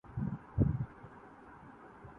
تماشا کہ اے محوِ آئینہ داری!